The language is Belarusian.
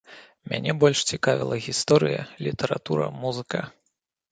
Мяне больш цікавіла гісторыя, літаратура, музыка.